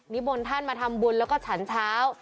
บนท่านมาทำบุญแล้วก็ฉันเช้า